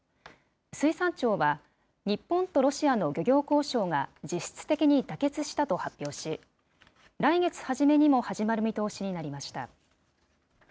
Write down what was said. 水産庁は、日本とロシアの漁業交渉が実質的に妥結したと発表し、来月初めにも始まる見通しになりました。